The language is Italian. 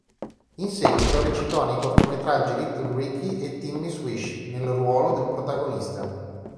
In seguito recitò nei cortometraggi "Little Ricky" e "Timmy's Wish", nel ruolo del protagonista.